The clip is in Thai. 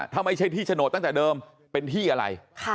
ถ้าไม่ใช่ที่โฉนดตั้งแต่เดิมเป็นที่อะไร